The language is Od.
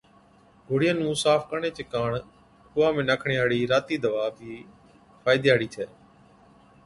گوڙهِِيان نُون صاف ڪرڻي چي ڪاڻ کُوها ۾ ناکڻي هاڙِي راتِي دَوا بِي فائدي هاڙِي ڇَي